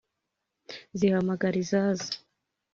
zihamagara izazo,